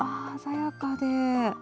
鮮やかで。